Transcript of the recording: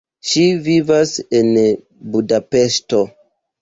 Ŝi vivas en Budapeŝto.